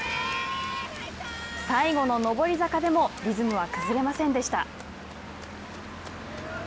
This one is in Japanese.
最後の上り坂でもリズムは崩れませんでした。